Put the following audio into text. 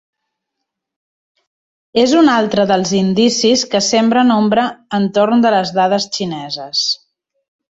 És un altre dels indicis que sembren ombra entorn de les dades xineses.